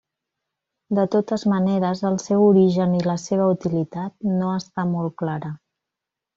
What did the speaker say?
De totes maneres el seu origen i la seva utilitat no està molt clara.